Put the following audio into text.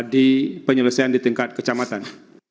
di penyelesaian di tingkat kecamatan